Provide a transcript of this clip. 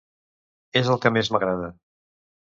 És el que més m'agrada.